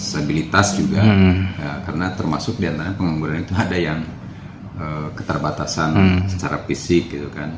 stabilitas juga karena termasuk di antara pengangguran itu ada yang keterbatasan secara fisik